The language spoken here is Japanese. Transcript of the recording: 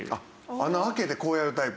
穴開けてこうやるタイプ？